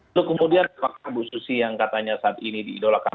lalu kemudian apakah ibu susi yang saat ini diidolakan